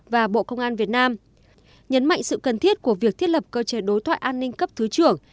và bộ công an việt nam nhấn mạnh sự cần thiết của việc thiết lập cơ chế đối thoại an ninh cấp thứ trưởng